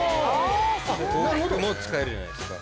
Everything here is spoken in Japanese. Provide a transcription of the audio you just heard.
大きくも使えるじゃないですか。